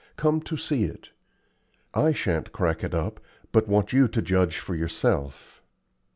Come to see it. I shan't crack it up, but want you to judge for yourself.